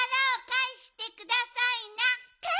かえしてください。